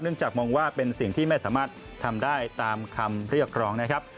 จากมองว่าเป็นสิ่งที่ไม่สามารถทำได้ตามคำเรียกร้องนะครับ